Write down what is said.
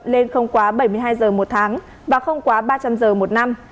lên không quá bảy mươi hai giờ một tháng và không quá ba trăm linh giờ một năm